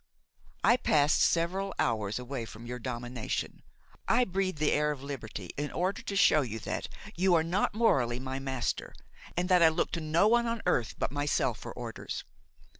I passed several hours away from your domination; I breathed the air of liberty in order to show you that you are not morally my master, and that I look to no one on earth but myself for orders.